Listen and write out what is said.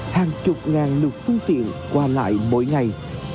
hàng chục ngàn lượt phương tiện qua lại mỗi ngày